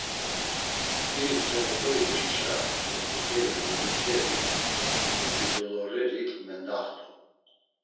İritzo oxorimuşişa, gost̆iǩeri gobritzeri, upi doloreri mendaxt̆u.